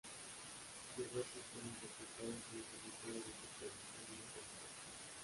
Sus restos fueron sepultados en el Cementerio del Buceo, en Montevideo.